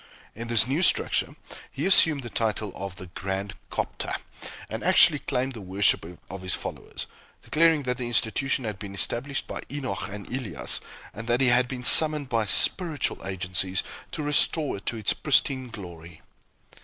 In this new structure, he assumed the title of the "Grand Cophta" and actually claimed the worship of his followers; declaring that the institution had been established by Enoch and Elias, and that he had been summoned by "spiritual" agencies to restore it to its pristine glory.